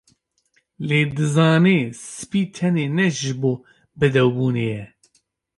Lê dizanê spî tenê ne ji bo bedewbûnê ye